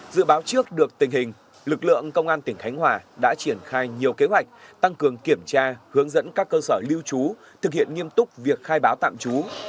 dự báo trước được tình hình lực lượng công an tỉnh khánh hòa đã triển khai nhiều kế hoạch tăng cường kiểm tra hướng dẫn các cơ sở lưu trú thực hiện nghiêm túc việc khai báo tạm trú